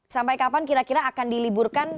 sampai kapan kira kira akan diliburkan